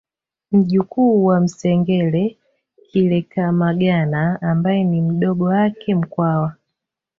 Mjukuu wa Msengele Kilekamagana ambaye ni mdogo wake Mkwawa